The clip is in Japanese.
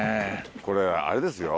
これあれですよ